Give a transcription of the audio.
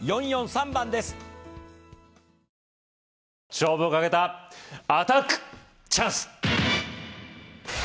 勝負をかけたアタックチャンス‼